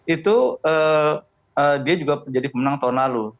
itu dia juga jadi pemenang tahun lalu